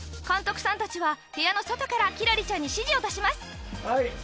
監督さんたちは部屋の外からキラリちゃんに指示を出します